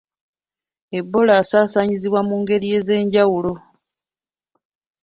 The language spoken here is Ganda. Ebola asaasaanyizibwa mu ngeri ez'enjawulo.